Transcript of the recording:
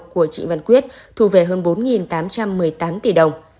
của chị văn quyết thu về hơn bốn tám trăm một mươi tám tỷ đồng